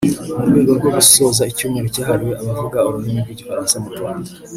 mu rwego rwo gusoza icyumweru cyahariwe abavuga ururimi rw’igifaransa mu Rwanda